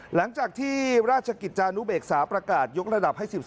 หลังจากที่ราชกิจจานุเบกษาประกาศยกระดับให้๑๓